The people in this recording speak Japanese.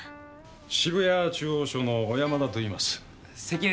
渋谷中央署の小山田といいます関根です